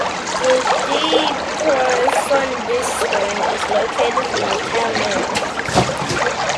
The De Profundis Stone is located in the townland.